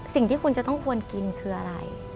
สิ่งที่คุณจะต้องควรกินคืออะไร